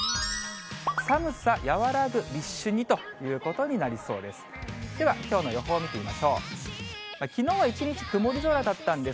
寒さ和らぐ立春にということになりそうです。